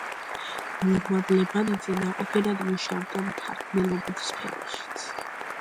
მურმან ლებანიძე ნაყოფიერად მუშაობდა მთარგმნელობით სფეროშიც.